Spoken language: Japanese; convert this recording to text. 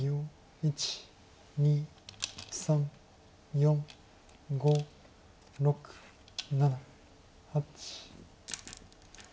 １２３４５６７８。